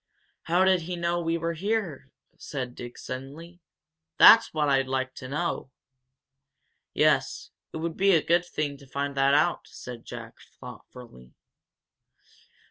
"How did he know we were here?" said Dick, suddenly. "That's what I'd like to know!" "Yes, it would be a good thing to find that out," said Jack, thoughtfully.